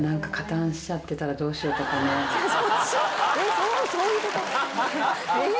えっそういうこと？